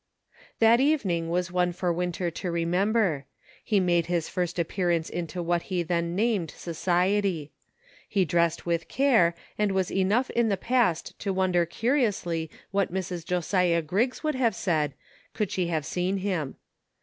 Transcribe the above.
That evening was one for Winter to remember. He made his first appearance into what he then named society. He dressed with care, and was enough in the past to wonder curiously what Mrs. Josiah Griggs would have said, could she have seen him.